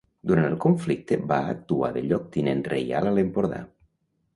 Durant el conflicte va actuar de lloctinent reial a l'Empordà.